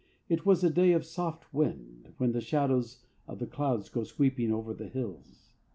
It was a day of soft wind, when the shadows of the clouds go sweeping over the hills.